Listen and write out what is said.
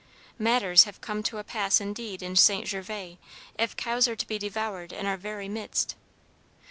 Matters have come to a pass indeed in St. Gervas, if cows are to be devoured in our very midst!